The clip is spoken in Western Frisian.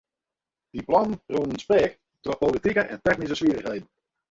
Dy plannen rûnen speak troch politike en technyske swierrichheden.